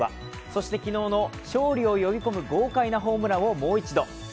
そして昨日の勝利を呼び込む豪快なホームランをもう一度。